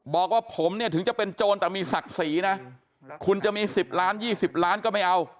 บอกว่าผมเนี่ยถึงจะเป็นโจรแต่มีศักดิ์ศรีนะคุณจะมี๑๐ล้าน๒๐ล้านก็ไม่เอา